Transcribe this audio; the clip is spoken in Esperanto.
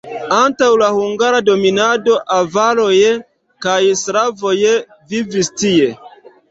Antaŭ la hungara dominado avaroj kaj slavoj vivis tie.